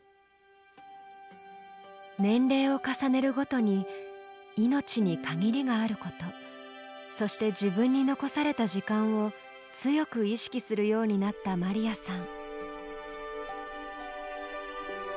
年齢を重ねるごとに命に限りがあることそして自分に残された時間を強く意識するようになったまりやさん。